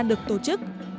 được tổ chức